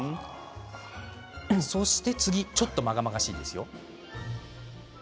そして次はまがまがしいですよ。